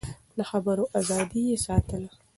د خبرو ازادي يې ساتله.